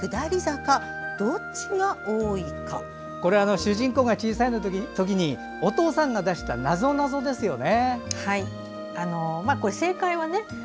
主人公が小さいときにお父さんが出したなぞなぞですよね。